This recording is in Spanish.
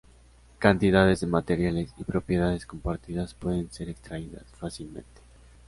Cantidades de materiales y propiedades compartidas pueden ser extraídas fácilmente.